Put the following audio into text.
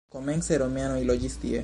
Komence romianoj loĝis tie.